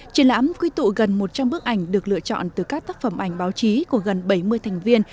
triển lãm quy tụ gần một trăm linh bức ảnh được lựa chọn từ các tác phẩm ảnh báo chí của gần bảy mươi thành viên